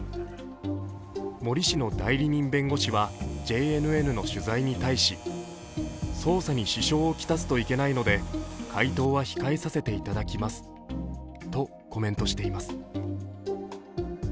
森氏の代理人弁護士はＪＮＮの取材に対し、捜査に支障を来すといけないので回答は控えさせていただきますとコメントしています。